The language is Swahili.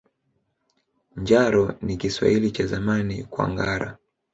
Njaro ni Kiswahili cha Zamani kwa ngara